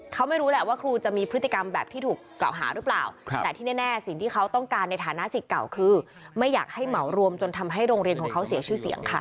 เขาไม่รู้แหละว่าครูจะมีพฤติกรรมแบบที่ถูกกล่าวหาหรือเปล่าแต่ที่แน่สิ่งที่เขาต้องการในฐานะสิทธิ์เก่าคือไม่อยากให้เหมารวมจนทำให้โรงเรียนของเขาเสียชื่อเสียงค่ะ